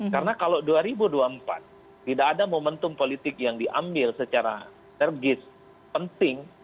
karena kalau dua ribu dua puluh empat tidak ada momentum politik yang diambil secara tergis penting